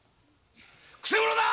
・くせ者だ！